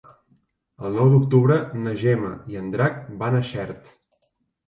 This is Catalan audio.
El nou d'octubre na Gemma i en Drac van a Xert.